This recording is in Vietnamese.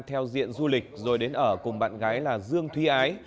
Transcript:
theo diện du lịch rồi đến ở cùng bạn gái là dương thúy ái